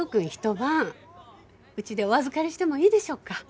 晩うちでお預かりしてもいいでしょうか？